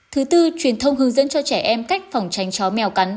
thứ tư truyền thông hướng dẫn cho trẻ em cách phòng tránh chó mèo cắn